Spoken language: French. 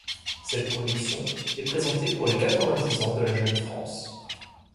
Cette production est présentée pour les quatre-vingt-dix ans de la Jeune France.